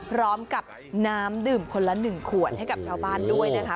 พร้อมกับน้ำดื่มคนละ๑ขวดให้กับชาวบ้านด้วยนะคะ